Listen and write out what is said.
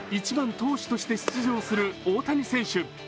１番・投手として出場する大谷選手。